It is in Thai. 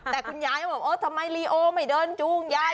แต่คุณยายก็บอกเออทำไมลีโอไม่เดินจูงยาย